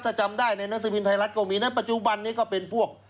ถ้าจำได้ในหนังสือพิมพ์ไทยรัฐก็มีนะปัจจุบันนี้ก็เป็นพวก